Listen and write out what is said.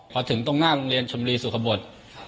พอถึงตรงหน้าโรงเรียนชมรีสุขบท